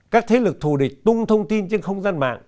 các thế lực thù địch tung thông tin trên không gian mạng